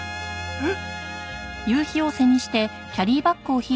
えっ？